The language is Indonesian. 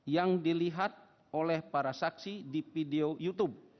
yang dilihat oleh para saksi di video youtube